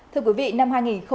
thưa quý vị năm hai nghìn hai mươi